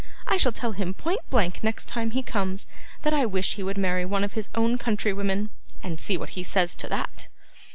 I shall tell him point blank next time he comes, that I wish he would marry one of his own country women; and see what he says to that.